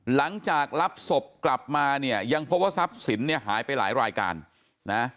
หลังจากรับศพกลับมาเนี่ยยังพบว่าทรัพย์สินเนี่ยหายไปหลายรายการนะ